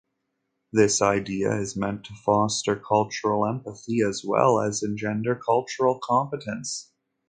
This idea is meant to foster cultural empathy as well as engender cultural competence.